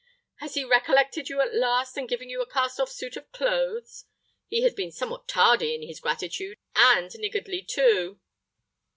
Has he recollected you at last, and given you a cast off suit of clothes? He has been somewhat tardy in his gratitude, and niggardly, too."